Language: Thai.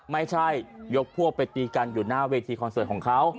ไม่ใช่ยกพวกไปตีกันอยู่หน้าเวทีคอนเสิร์ตของเขา